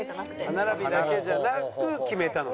歯並びだけじゃなく決めたのね。